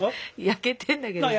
焼けてんだけどな。